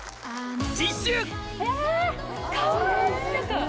次週！